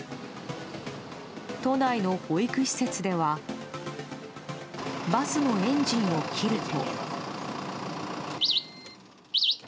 都内の保育施設ではバスのエンジンを切ると。